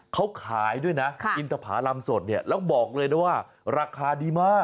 เขาขายด้วยนะอินทภารำสดเนี่ยแล้วบอกเลยนะว่าราคาดีมาก